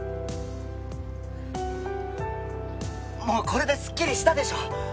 もうこれですっきりしたでしょ。